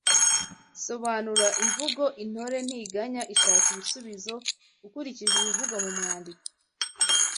Sobanura imvugo Intore ntiganya ishaka ibisubizo ukurikije ibivugwa mu mwandiko